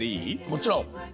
もちろん。